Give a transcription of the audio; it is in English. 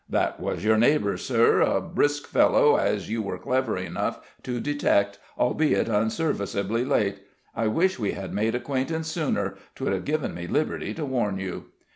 "That was your neighbour, Sir: a brisk fellow, as you were clever enough to detect, albeit unserviceably late. I wish we had made acquaintance sooner: 'twould have given me liberty to warn you."